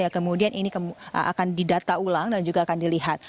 kemudian ini akan didata ulang dan juga akan dilihat